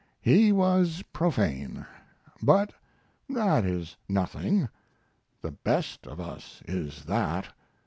He was profane, but that is nothing; the best of us is that.